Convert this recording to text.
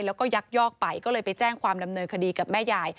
แล้วก็ยักยอกไปก็เลยไปแจ้งความดำเนินคดีกับแม่ยาย